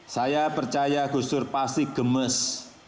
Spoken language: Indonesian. saya percaya gus dur pasti gemes